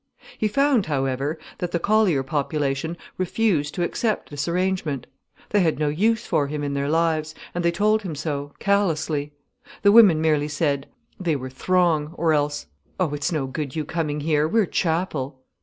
He found, however, that the collier population refused to accept this arrangement. They had no use for him in their lives, and they told him so, callously. The women merely said, "they were throng," or else, "Oh, it's no good you coming here, we're Chapel."